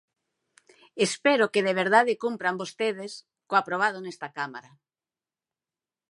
Espero que de verdade cumpran vostedes co aprobado nesta cámara.